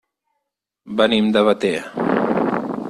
Venim de Batea.